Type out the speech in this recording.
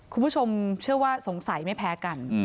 คุณผู้ชมเชื่อว่าสงสัยไม่แพ้กัน